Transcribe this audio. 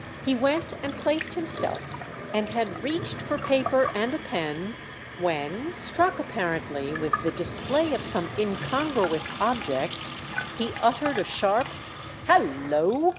He went and placed himself, and had reached for paper and a pen when, struck apparently with the display of some incongruous object, he uttered a sharp "Hallo!"